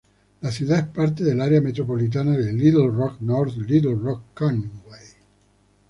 La ciudad es parte del área metropolitana de Little Rock-North Little Rock-Conway.